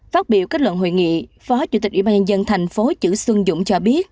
phát biểu kết luận hội nghị phó chủ tịch ủy ban nhân dân thành phố chữ xuân dũng cho biết